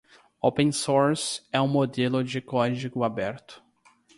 Open Source é um modelo de código aberto.